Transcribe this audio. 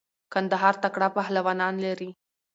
قندهار تکړه پهلوانان لری.